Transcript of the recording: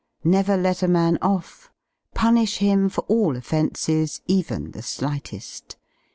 Never let a man off I Punish him for all offences, even the slightest.